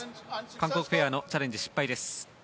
韓国ペアのチャレンジ失敗。